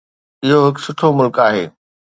اهو هڪ سٺو ملڪ آهي.